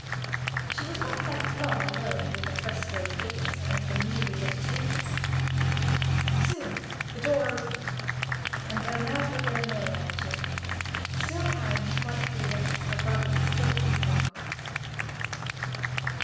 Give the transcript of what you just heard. She was not left long alone with the frescoed figures and the newly lit tapers. Soon the door opened, and Bernardo del Nero entered, still carrying his white head erect above his silk lucco.